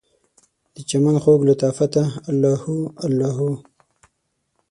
دچمن خوږ لطافته، الله هو الله هو